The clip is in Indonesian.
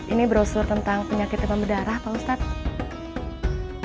ini brosur tentang penyakit demam berdarah pak ustadz